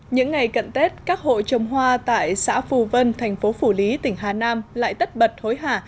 những ngày cận tết các hộ trồng hoa tại xã phù vân thành phố phủ lý tỉnh hà nam lại tất bật hối hả